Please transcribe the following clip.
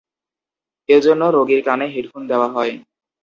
এজন্য রোগীর কানে হেডফোন দেওয়া হয়।